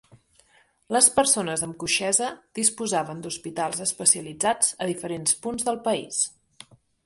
Les persones amb coixesa disposaven d'hospitals especialitzats a diferents punts del país.